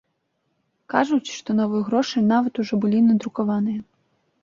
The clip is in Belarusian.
Кажуць, што новыя грошы нават ужо былі надрукаваныя.